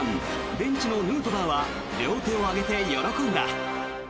ベンチのヌートバーは両手を上げて喜んだ。